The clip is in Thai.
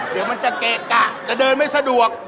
เดี๋ยวมันจะเกะกะจะเดินไม่สะดวก